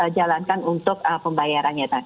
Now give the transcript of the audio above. jalankan untuk pembayarannya